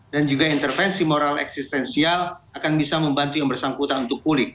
dan juga intervensi moral eksistensial akan bisa membantu yang bersangkutan untuk pulih